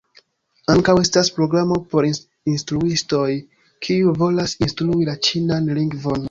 Ankaŭ estas programo por instruistoj, kiuj volas instrui la ĉinan lingvon.